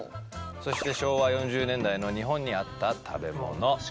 そして昭和４０年代の日本にあった食べ物。